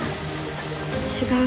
「違う。